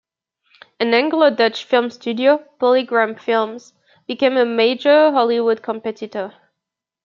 An Anglo-Dutch film studio, PolyGram Films became a major Hollywood competitor.